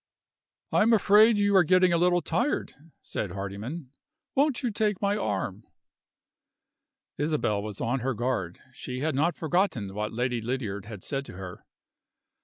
"I am afraid you are getting a little tired," said Hardyman. "Won't you take my arm?" Isabel was on her guard: she had not forgotten what Lady Lydiard had said to her.